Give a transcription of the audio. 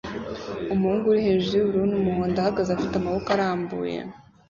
Umuhungu uri hejuru yubururu n'umuhondo ahagaze afite amaboko arambuye